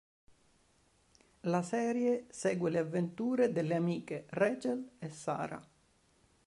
La serie segue le avventure delle amiche Rachel e Sarah.